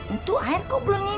itu air kok belum ngini